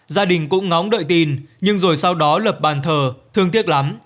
gia đình cũng ngóng đợi tin nhưng rồi sau đó lập bàn thờ thương tiếc lắm